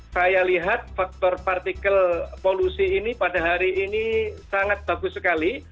saya lihat faktor partikel polusi ini pada hari ini sangat bagus sekali